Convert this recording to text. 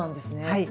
はい。